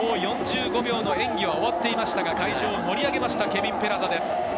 ４５秒の演技は終わっていましたが、会場を盛り上げました、ケビン・ペラザです。